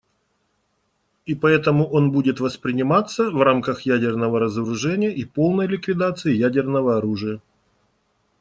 И поэтому он будет восприниматься в рамках ядерного разоружения и полной ликвидации ядерного оружия.